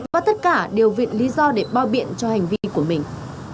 và tất cả đều viện lý do để bao biện cho hành vi của mình